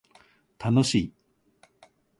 楽しい